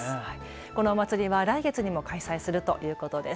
このお祭りは来月にも開催するということです。